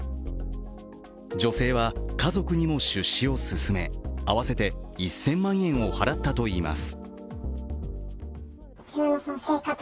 女性は、家族にも出資を勧め、合わせて１０００万円を払ったといいます。